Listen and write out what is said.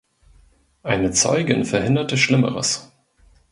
Eine Zeugin verhinderte Schlimmeres.